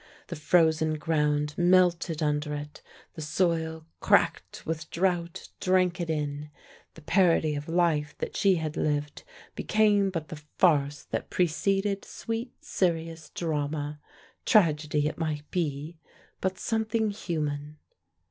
The frozen ground melted under it, the soil, cracked with drought, drank it in: the parody of life that she had lived became but the farce that preceded sweet serious drama, tragedy it might be, but something human....